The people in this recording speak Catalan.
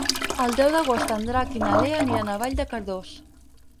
El deu d'agost en Drac i na Lea aniran a Vall de Cardós.